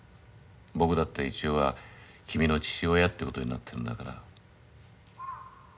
僕だって一応は君の父親ってことになってるんだから。